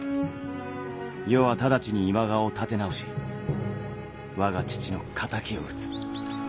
余は直ちに今川を立て直し我が父の敵を討つ。